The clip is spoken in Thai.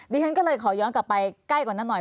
ดิฉันก็เลยขอย้อนกลับไปใกล้กว่านั้นหน่อย